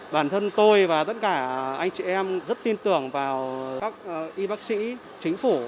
bản thân tôi và tất cả anh chị em rất tin tưởng vào các y bác sĩ chính phủ